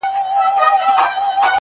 چي له غمه یې ژړل مي تر سهاره.!